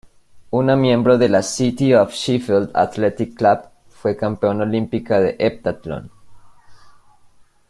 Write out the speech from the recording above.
Una miembro de la City of Sheffield Athletic Club, fue campeona olímpica de heptatlón.